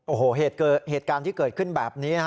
โอ้โหเหตุการณ์ที่เกิดขึ้นแบบนี้นะฮะ